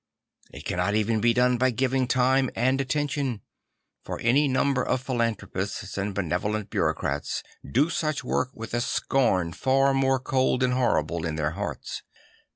It cannot even be done by giving time and attention; for any number of philanthropists and benevolent bureaucrats do such \vork with a scorn far more cold and horrible in their hearts.